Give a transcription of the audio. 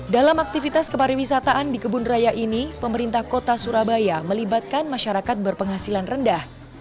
dalam aktivitas kepariwisataan di kebun raya ini pemerintah kota surabaya melibatkan masyarakat berpenghasilan rendah